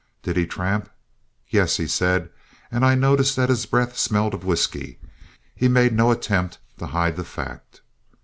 Did he tramp? Yes, he said, and I noticed that his breath smelled of whisky. He made no attempt to hide the fact.